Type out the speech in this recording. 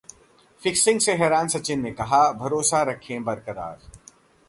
fixing से हैरान सचिन ने कहा, भरोसा रखें बरकरार